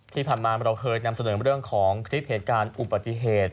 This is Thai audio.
ที่ผ่านมาเราเคยนำเสนอเรื่องของคลิปการอุปเกษฐ